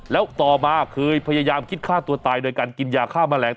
แล้วต่อมาเคยพยายามคิดฆ่าตัวตายโดยการกินยาฆ่าแมลง